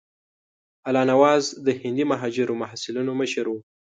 الله نواز د هندي مهاجرو محصلینو مشر وو.